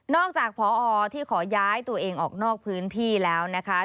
อกจากพอที่ขอย้ายตัวเองออกนอกพื้นที่แล้วนะคะ